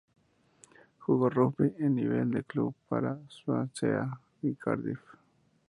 Jugó rugby en nivel de club para Swansea y Cardiff.